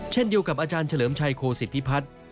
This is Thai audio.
เช่นเดียวกับอาจารย์เฉลิมชัยโคศิษฐพิพัฒน์